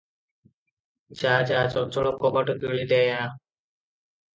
ଯା ଯା, ଚଞ୍ଚଳ କବାଟ କିଳି ଦେଇ ଆ ।